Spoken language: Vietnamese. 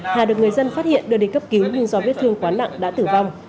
hà được người dân phát hiện đưa đến cấp cứu nhưng do viết thương quá nặng đã tử vong